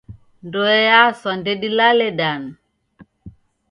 Ndoe yaswa ndedilale danu.